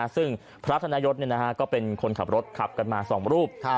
ซึ่งพระธนยศก็เป็นคนขับรถขับกันมา๒รูป